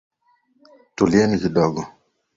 Tulieni kidogo.